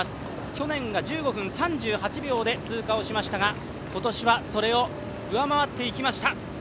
去年が１５分３８秒で通過をしましたが今年はそれを上回っていきました。